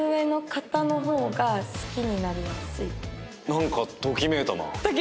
なんかときめいたな。